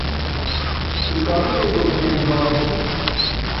Tu dikarî wê gotinê dubare kî.